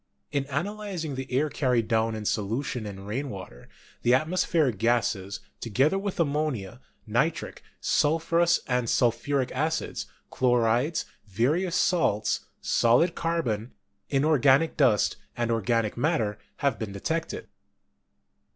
In analyz ing the air carried down in solution in rain water, the atmospheric gases, together with ammonia, nitric, sul phurous and sulphuric acids, chlorides, various salts, solid carbon, inorganic dust, and organic matter, have been detected.